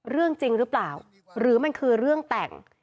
เรื่องจริงหรือเปล่าหรือมันคือเรื่องแต่ง